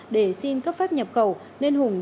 để xin cấp phép nhập cầu